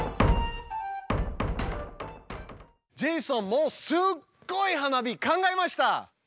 ジェイソンもすっごい花火考えました！